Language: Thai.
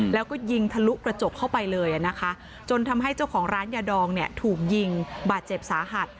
แล้วก็ยิงทะลุกระจกเข้าไปเลยนะคะจนทำให้เจ้าของร้านยาดองเนี่ยถูกยิงบาดเจ็บสาหัส